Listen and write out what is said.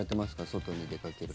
外に出かける。